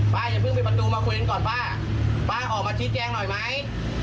อย่าเพิ่งปิดประตูมาคุยกันก่อนป้าป้าออกมาชี้แจงหน่อยไหม